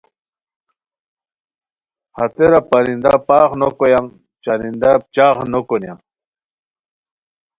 ہتیرا پرندہ پاغ نو کویان چرندہ چاغ نوکونیان